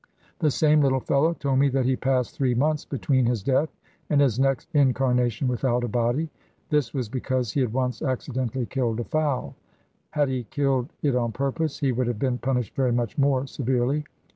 This same little fellow told me that he passed three months between his death and his next incarnation without a body. This was because he had once accidentally killed a fowl. Had he killed it on purpose, he would have been punished very much more severely.